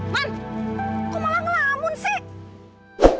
ban kok malah ngelamun sih